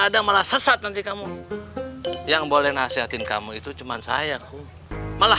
ada malah sesat nanti kamu yang boleh nasihatin kamu itu cuman saya malah